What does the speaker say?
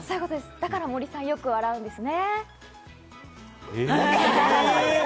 だから森さん、よく笑うんですね。